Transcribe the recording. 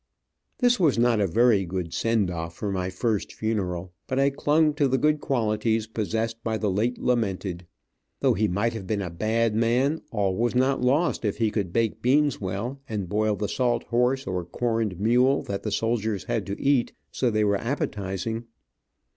This was not a very good send off for my first funeral, but I clung to the good qualities possessed by the late lamented. Though he might have been a bad man, all was not lost if he could bake beans well, and boil the salt horse or corned mule that soldiers had to eat, so they were appetizing.